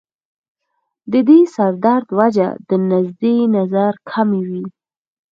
د دې سر درد وجه د نزدې نظر کمی وي